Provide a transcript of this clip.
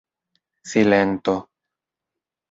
Silento.